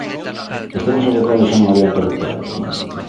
Estamos abocados a un adianto electoral?